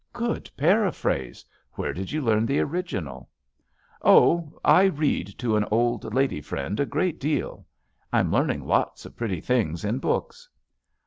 "Good paraphrase. Where did you learn the original?" "Oh, I read to an old lady friend a great deal. I'm learning lots of pretty things in books."